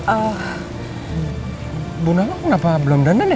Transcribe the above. ibu nawang kenapa belum dandan ya